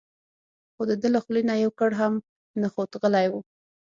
خو دده له خولې نه یو ګړ هم نه خوت غلی و.